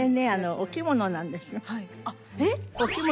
お着物なんですけど。